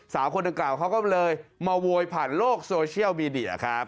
สาวคนดังกล่าวเขาก็เลยมาโวยผ่านโลกโซเชียลมีเดียครับ